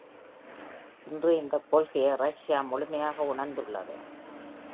இன்று இந்தக் கொள்கையை இரஷ்யா முழுமையாக உணர்ந்துள்ளது.